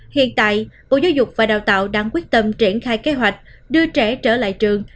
hiện tại bộ giáo dục và đào tạo đang quyết tâm triển khai kế hoạch đưa trẻ trở lại trường